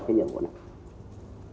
cái nhiệm vụ này